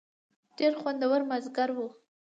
ډېر خوندور مازیګر و.